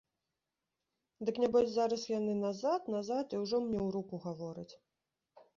Дык нябось зараз яны назад, назад і ўжо мне ў руку гавораць.